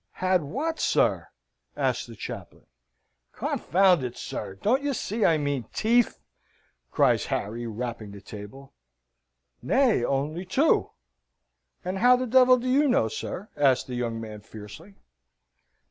"Had what, sir?" again asked the chaplain. "Confound it, sir, don't you see I mean teeth?" says Harry, rapping the table. "Nay, only two." "And how the devil do you know, sir?" asks the young man, fiercely.